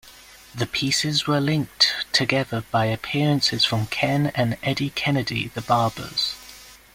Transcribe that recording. The pieces were linked together by appearances from Ken and Eddie Kennedy The Barbers.